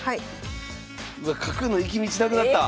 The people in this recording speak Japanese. わっ角の行き道なくなった！